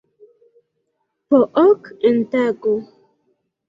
Po ok en tago.